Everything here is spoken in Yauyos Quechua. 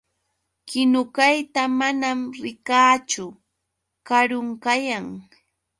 Kinukayta manam rikaachu. Karun kayan.